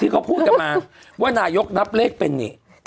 เขาพูดกันมาว่านายกนับเลขเป็นนี่